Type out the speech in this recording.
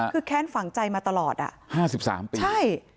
คือแค้นฝังใจมาตลอด๕๓ปีใช่